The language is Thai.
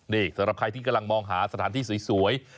นี่สำหรับใครที่กำลังมองหาสถานที่สวย